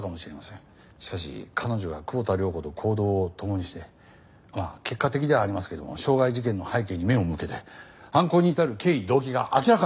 しかし彼女が久保田涼子と行動を共にしてまあ結果的ではありますけども傷害事件の背景に目を向けて犯行に至る経緯動機が明らかになったんです。